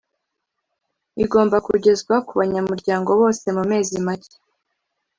igomba kugezwa ku banyamuryango bose mu mezi make